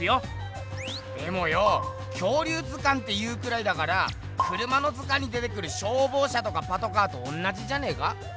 でもよ恐竜図鑑って言うくらいだからくるまの図鑑に出てくるしょうぼう車とかパトカーとおんなじじゃねえか？